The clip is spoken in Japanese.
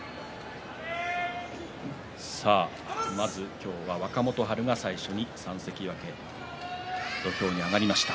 今日は若元春が最初に３関脇土俵に上がりました。